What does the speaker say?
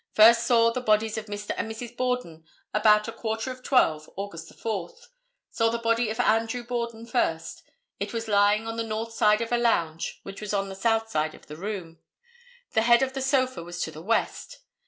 First saw the bodies of Mr. and Mrs. Borden about a quarter of 12, Aug. 4. Saw the body of Andrew Borden first. It was lying on the north side of a lounge which was on the south side of the room. The head of the sofa was to the west.